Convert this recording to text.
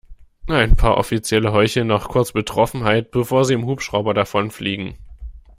Ein paar Offizielle heucheln noch kurz Betroffenheit, bevor sie im Hubschrauber davonfliegen.